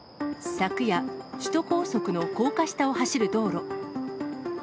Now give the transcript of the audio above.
昨夜、首都高速の高架下を走る道路。